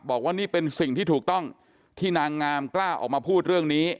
บอกว่านี่เป็นสิ่งที่ถูกต้องที่นางงามกล้าออกมาพูดเรื่องนี้